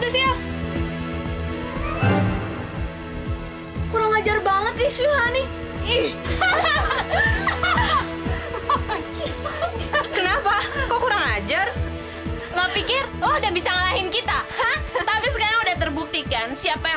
sampai jumpa di video selanjutnya